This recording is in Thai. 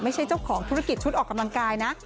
เจ้าของธุรกิจชุดออกกำลังกายนะ